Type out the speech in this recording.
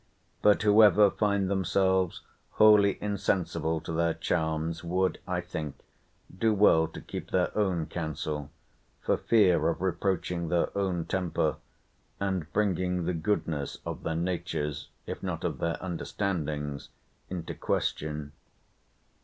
But whoever find themselves wholly insensible to their charms, would, I think, do well to keep their own counsel, for fear of reproaching their own temper, and bringing the goodness of their natures, if not of their understandings, into question.